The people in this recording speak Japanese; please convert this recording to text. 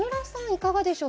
いかがでしょう。